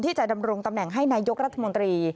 จะดำรงตำแหน่งให้นายกรัฐมนตรี